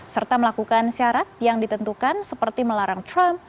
serta melakukan syarat yang ditentukan seperti melarang trump